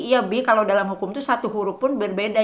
ya b kalau dalam hukum itu satu huruf pun berbeda